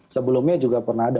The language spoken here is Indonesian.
sebelumnya juga pernah ada